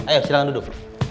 ayo silahkan duduk